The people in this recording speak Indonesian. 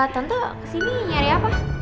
tante kesini nyari apa